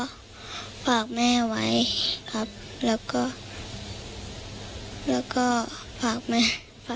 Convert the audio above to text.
แล้วก็ฝากแม่ไว้